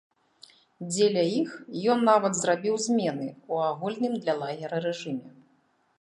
Дзеля іх ён нават зрабіў змены ў агульным для лагера рэжыме.